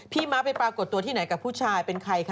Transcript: ม้าไปปรากฏตัวที่ไหนกับผู้ชายเป็นใครคะ